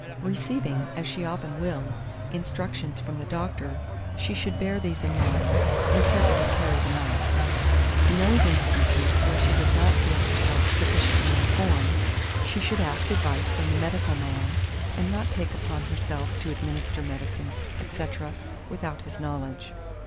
2430. Receiving, as she often will, instructions from the doctor, she should bear these in mind, and carefully carry them out. In those instances where she does not feel herself sufficiently informed, she should ask advice from the medical man, and not take upon herself to administer medicines, &c., without his knowledge.